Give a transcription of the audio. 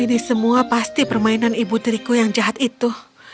ini semua pasti permainan ibu tiriku yang jahat itu